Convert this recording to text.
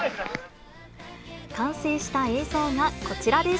完成した映像がこちらです。